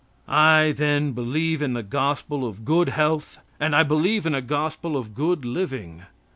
I, then, believe in the gospel of good health, and I believe in a gospel of good living.